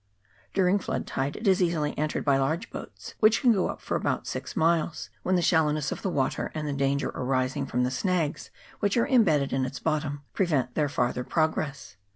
During flood tide it is easily entered by large boats, which can go up for about six miles, when the shallowness of the water, and the danger arising from the snags which are imbedded in its bottom, prevent their farther pro gress.